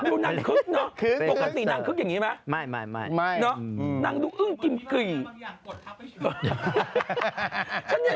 ดูหนังคึกเนอะปกติหนังคึกอย่างนี้ไหมไม่หนังดูอึ้งกิ่มกลี